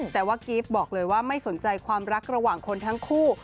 แต่ว่ากิฟต์บอกเลยว่าไม่สนใจความรักระหว่างคนทั้งคู่